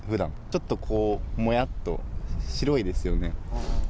ちょっとこう、もやっと白いですよね。